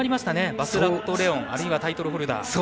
バスラットレオンあるいはタイトルホルダー。